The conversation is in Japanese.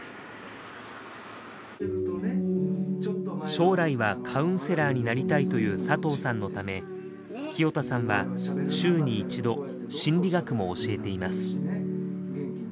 将来はカウンセラーになりたいという佐藤さんのため清田さんは週に１度心理学も教えています。